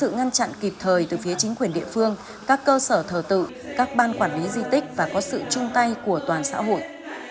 ngăn chặn kịp thời từ phía chính quyền địa phương các cơ sở thờ tự các ban quản lý di tích và có sự chung tay của toàn xã hội